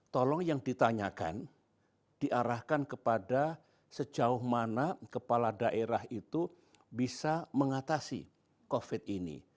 tolong yang ditanyakan diarahkan kepada sejauh mana kepala daerah itu bisa mengatasi covid ini